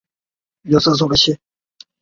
作词及作曲时会使用本名巽明子。